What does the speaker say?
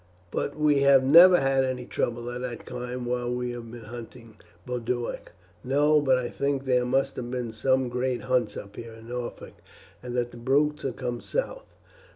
"But we have never had any trouble of that kind while we have been hunting, Boduoc." "No; but I think there must have been some great hunts up in Norfolk, and that the brutes have come south.